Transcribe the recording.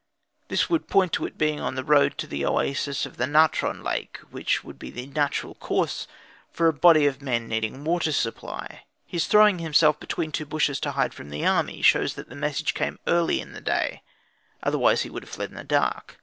This would point to its being on the road to the oasis of the Natron Lakes, which would be the natural course for a body of men needing water supply. His throwing himself between two bushes to hide from the army shows that the message came early in the day, otherwise he would have fled in the dark.